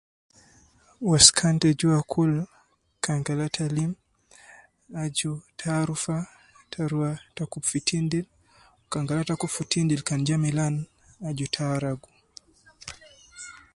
Waskan ta juwa kulu kan kala ita lim, aju ita arufa, ita ruwa kub fi tindil. Kan kala ita kubu fi tindil, kan ja milan aju ita haragu.